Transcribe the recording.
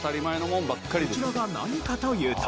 こちらが何かというと。